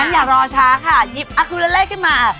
อย่ารอช้าค่ะยิบอักษูหรือเลสกันมา